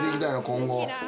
今後。